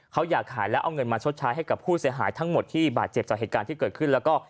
เขาอยากขายแล้วเอาเงินมาชดใช้ให้กับผู้เสียหายทั้งหมดที่บาดเจ็บจากเหตุการณ์ที่เกิดขึ้นแล้วก็